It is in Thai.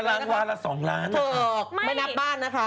ไม่นับบ้านนะคะ